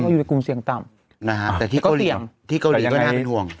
อยู่ในกลุ่มเสี่ยงต่ำที่เกาหลีก็น่าเป็นห่วง